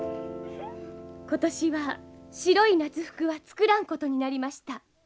今年は白い夏服は作らんことになりました。